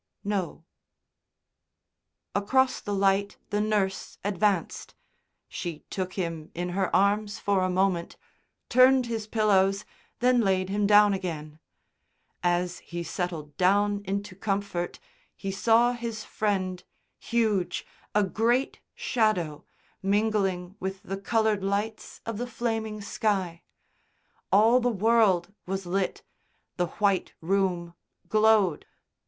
"No." Across the light the nurse advanced. She took him in her arms for a moment, turned his pillows, then layed him down again. As he settled down into comfort he saw his Friend, huge, a great shadow, mingling with the coloured lights of the flaming sky. All the world was lit, the white room glowed.